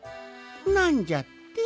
なんじゃって？